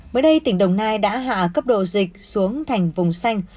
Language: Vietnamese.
mới đây tỉnh đồng nai đã hạ cấp độ dịch xuống thành vùng xanh